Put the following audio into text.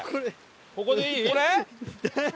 ここでいい？これ？